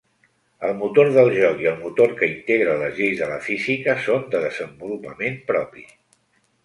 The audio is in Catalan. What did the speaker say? El motor del joc i el motor que integra les lleis de la física són de desenvolupament propi.